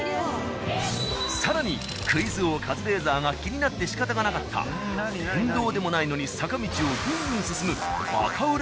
更にクイズ王カズレーザーが気になってしかたがなかった電動でもないのに坂道をグングン進むバカ売れ